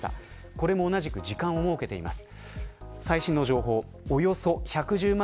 これも同じく時間を設けています。